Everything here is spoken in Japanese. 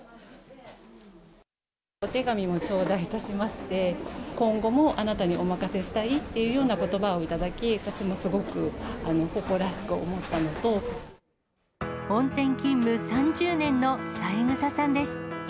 お手紙も頂戴いたしまして、今後もあなたにお任せしたいっていうようなことばを頂き、本店勤務３０年の三枝さんです。